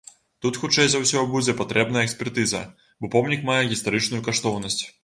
Тут хутчэй за ўсё будзе патрэбная экспертыза, бо помнік мае гістарычную каштоўнасць.